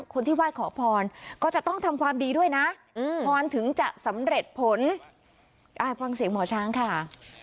คนที่ไหว้ขอพรก็จะต้องทำความดีด้วยนะพรถึงจะสำเร็จผลฟังเสียงหมอช้างค่ะ